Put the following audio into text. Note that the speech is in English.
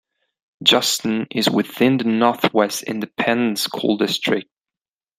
Justin is within the Northwest Independent School District.